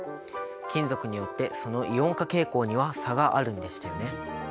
金属によってそのイオン化傾向には差があるんでしたよね。